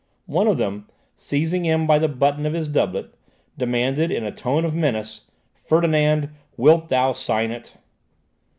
One of them, seizing him by the button of his doublet, demanded, in a tone of menace, "Ferdinand, wilt thou sign it?"